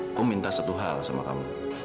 aku minta satu hal sama kamu